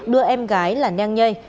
đưa em gái là nhang nhay